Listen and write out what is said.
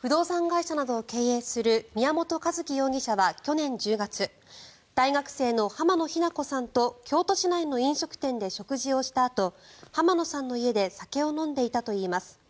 不動産会社などを経営する宮本一希容疑者は去年１０月大学生の浜野日菜子さんと京都市内の飲食店で食事をしたあと浜野さんの家で酒を飲んでいたといいます。